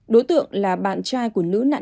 đối tượng là bạn trai của nữ nạn nhân